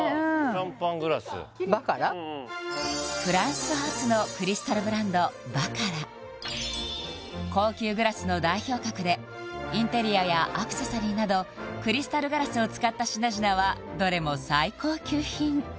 シャンパングラスフランス発の高級グラスの代表格でインテリアやアクセサリーなどクリスタルガラスを使った品々はどれも最高級品